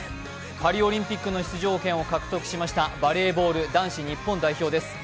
パリオリンピックの出場権を獲得しましたバレーボール男子日本代表です。